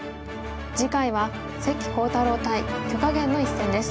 次回は関航太郎対許家元の一戦です。